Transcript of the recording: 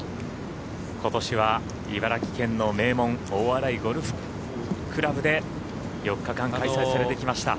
今年は茨城県の名門大洗ゴルフ倶楽部４日間開催されてきました。